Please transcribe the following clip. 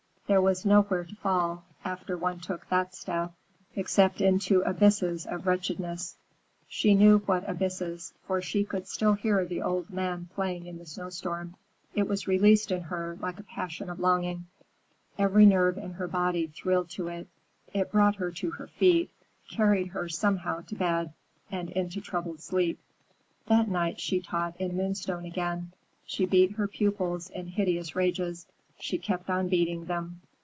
There was nowhere to fall, after one took that step, except into abysses of wretchedness. She knew what abysses, for she could still hear the old man playing in the snowstorm, "Ach, ich habe sie verloren!" That melody was released in her like a passion of longing. Every nerve in her body thrilled to it. It brought her to her feet, carried her somehow to bed and into troubled sleep. That night she taught in Moonstone again: she beat her pupils in hideous rages, she kept on beating them.